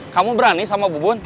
kamu berani sama bubun